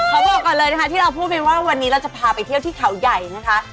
บอกก่อนเลยนะคะที่เราพูดไปว่าวันนี้เราจะพาไปเที่ยวที่เขาใหญ่นะคะ